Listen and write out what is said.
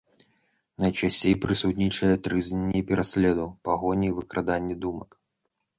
Найчасцей прысутнічае трызненне пераследу, пагоні, выкрадання думак.